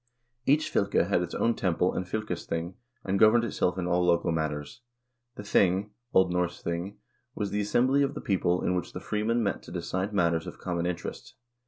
Each fylke had its own temple and fylkesthing, and governed itself in all local matters. The thing (O. N. J>ing) was the assembly of the people in which the freemen met to decide matters of common interest.